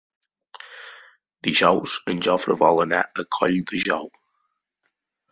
Dijous en Jofre vol anar a Colldejou.